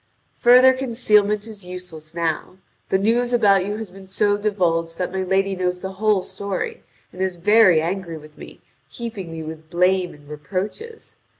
"Further concealment is useless now. The news about you has been so divulged that my lady knows the whole story and is very angry with me, heaping me with blame and reproaches.